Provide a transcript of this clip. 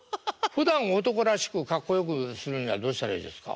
ふだん男らしくかっこよくするにはどうしたらいいですか？